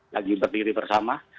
lagi berdiri bersama